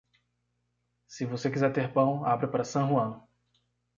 Se você quiser ter pão, abra para San Juan.